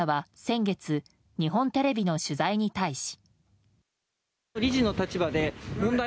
高橋容疑者は先月日本テレビの取材に対し。